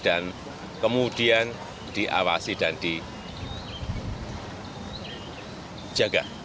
dan kemudian diawasi dan dijaga